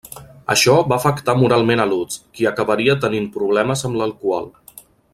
Això va afectar moralment a Lutz, qui acabaria tenint problemes amb l'alcohol.